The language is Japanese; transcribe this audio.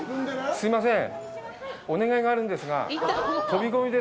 すいません。